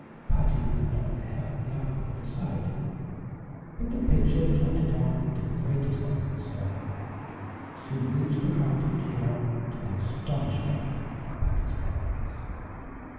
Patty could not help laughing at the sight, but the pitcher, trotting on with the greatest unconcern, soon reached the cottage door to the astonishment of Patty's parents.